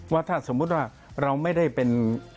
ว่าถ้าสมมุติว่าเราไม่ได้เป็น